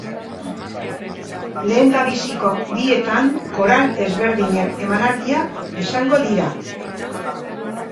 Lehendabiziko bietan koral ezberdinen emanaldiak izango dira.